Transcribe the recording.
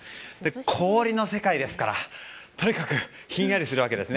氷の世界ですからとにかくひんやりするわけです。